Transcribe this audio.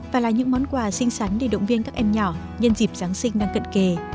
và là những món quà xinh xắn để động viên các em nhỏ nhân dịp giáng sinh đang cận kề